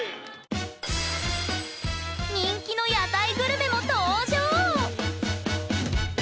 人気の屋台グルメも登場！